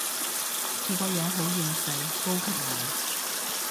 佢個樣好厭世，高級顏